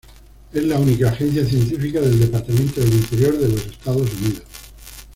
Es la única agencia científica del Departamento del Interior de los Estados Unidos.